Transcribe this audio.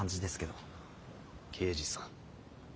刑事さん？